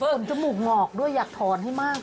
จมูกงอกด้วยอยากถอนให้มาก